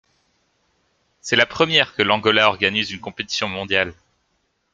C'est la première que l'Angola organise une compétition mondiale.